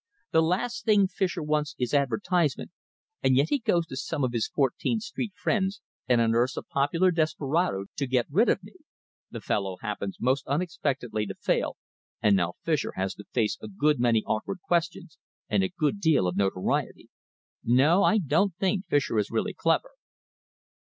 The last thing Fischer wants is advertisement, and yet he goes to some of his Fourteenth Street friends and unearths a popular desperado to get rid of me. The fellow happens most unexpectedly to fail, and now Fischer has to face a good many awkward questions and a good deal of notoriety. No, I don't think Fischer is really clever."